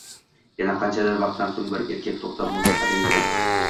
Yana qanchadir vaqtdan soʻng bir erkak toʻxtab musiqa tingladi